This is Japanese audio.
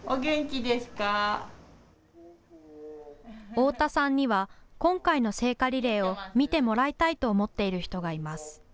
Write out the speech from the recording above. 太田さんには今回の聖火リレーを見てもらいたいと思っている人がいます。